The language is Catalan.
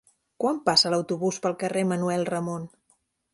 Quan passa l'autobús pel carrer Manuel Ramon?